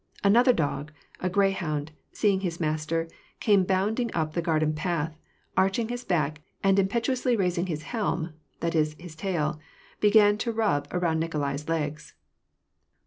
Another dog, a greyhound, seeing his master, came bounding up the garden path, arching his back, and impetuously raising his helm (that IS, his tail), began to rub around Nikolai's legs.